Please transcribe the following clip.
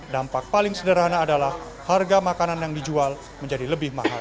dampak paling sederhana adalah harga makanan yang dijual menjadi lebih mahal